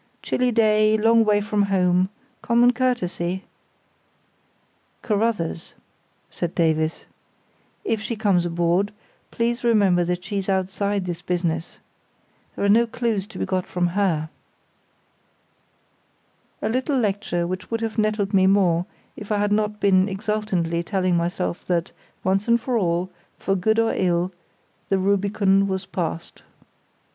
"Chilly day, long way from home, common courtesy——" "Carruthers," said Davies, "if she comes aboard, please remember that she's outside this business. There are no clues to be got from her." A little lecture which would have nettled me more if I had not been exultantly telling myself that, once and for all, for good or ill, the Rubicon was passed.